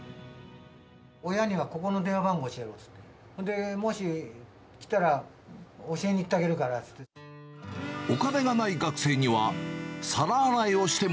親にはここの電話番号教えろって言って、ほんで、もし来たら、教えに行ってあげるからって言って。